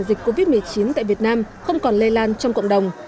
dịch covid một mươi chín tại việt nam không còn lây lan trong cộng đồng